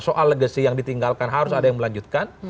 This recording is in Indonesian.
soal legacy yang ditinggalkan harus ada yang melanjutkan